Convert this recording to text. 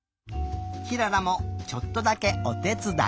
ひららもちょっとだけおてつだい。